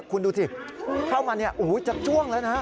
คุณดูสิเข้ามาเนี่ยโอ้โหจะจ้วงแล้วนะฮะ